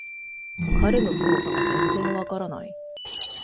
彼のすごさが全然わからない